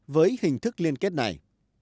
với hình thức liên kết này